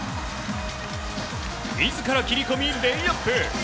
自ら切り込みレイアップ。